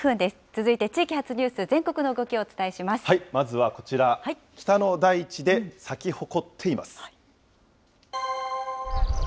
続いて地域発ニュース、全国の動まずはこちら、北の大地で咲き誇っています。